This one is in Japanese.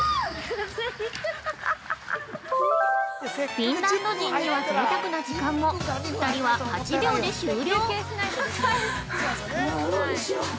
◆フィンランド人にはぜいたくな時間も２人は８秒で終了。